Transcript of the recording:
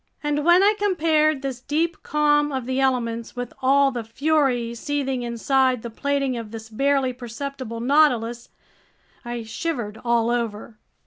And when I compared this deep calm of the elements with all the fury seething inside the plating of this barely perceptible Nautilus, I shivered all over.